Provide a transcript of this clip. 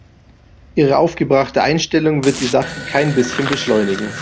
Ihre aufgebrachte Einstellung wird die Sache kein bisschen beschleunigen.